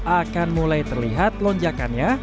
akan mulai terlihat lonjakannya